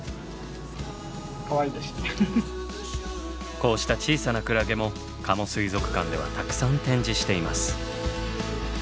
こうした小さなクラゲも加茂水族館ではたくさん展示しています。